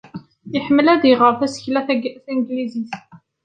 Iḥemmel ad iɣer tasekla tanglizit.